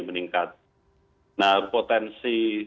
meningkat nah potensi